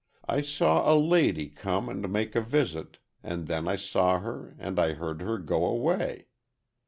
I saw a lady come and make a visit, and then I saw her and I heard her go away.